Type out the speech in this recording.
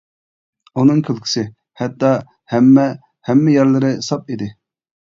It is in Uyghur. ئۇنىڭ كۈلكىسى ھەتتا ھەممە ھەممە يەرلىرى ساپ ئىدى.